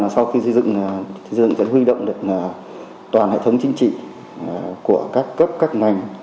xây dựng sẽ huy động được toàn hệ thống chính trị của các cấp các ngành